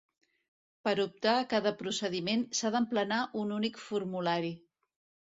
Per optar a cada procediment s'ha d'emplenar un únic formulari.